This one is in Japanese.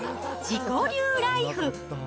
自己流ライフ。